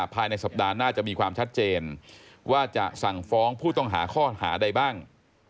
ภายในสัปดาห์หน้าจะมีความชัดเจนว่าจะสั่งฟ้องผู้ต้องหาข้อหาใดบ้าง